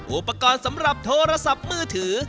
อุปกรณ์สำหรับโทรศัพท์มือถือ